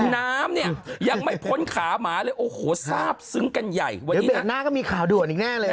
น้ำเนี่ยยังไม่พ้นขาหมาเลยโอ้โหทราบซึ้งกันใหญ่วันนี้หน้าก็มีข่าวด่วนอีกแน่เลย